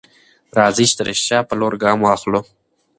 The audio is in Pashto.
راځئ چې د رښتيا په لور ګام واخلو.